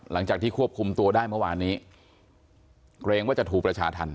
หลังจากที่ควบคุมตัวได้เมื่อวานนี้เกรงว่าจะถูกประชาธรรม